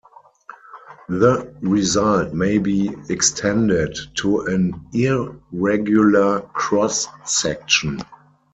The result may be extended to an irregular cross-section.